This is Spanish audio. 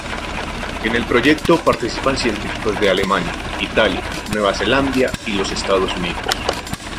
En el proyecto participan científicos de Alemania, Italia, Nueva Zelandia, y los Estados Unidos.